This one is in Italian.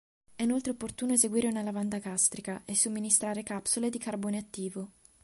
È inoltre opportuno eseguire una lavanda gastrica e somministrare capsule di carbone attivo.